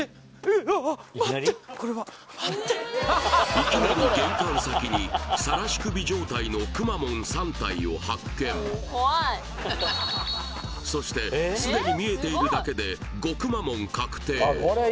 いきなり玄関先にさらし首状態のくまモン３体を発見そして既に見えているだけで５くまモン確定